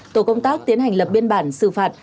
tổ công tác tiến hành lập biên bản xử phạt